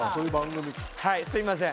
はいすいません。